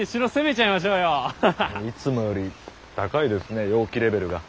いつもより高いですね陽気レベルが。